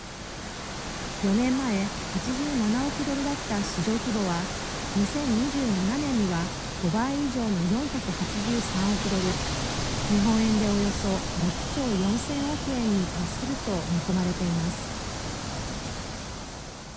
４年前８７億ドルだった市場規模は２０２７年には５倍以上の４８３億ドル日本円でおよそ６兆４０００億円に達すると見込まれています。